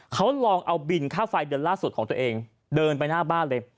เขาลองเอาบินค่าไฟเดือนล่าสุดของตัวเองเดินไปหน้าบ้านเลย